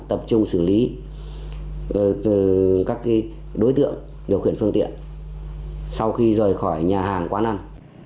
tập trung xử lý các đối tượng điều khiển phương tiện sau khi rời khỏi nhà hàng quán ăn